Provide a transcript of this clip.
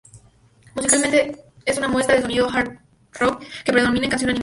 Musicalmente es una muestra del sonido hard rock que predomina en Canción Animal.